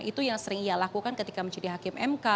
itu yang sering ia lakukan ketika menjadi hakim mk